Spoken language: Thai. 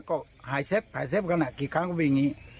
ก็หายเซฟหายเซฟกันกี่ครั้งก็วิ่งอย่างนี้